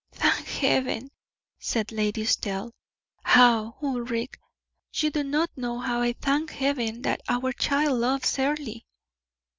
"Thank Heaven!" said Lady Estelle. "Ah! Ulric, you do not know how I thank Heaven that our child loves Earle."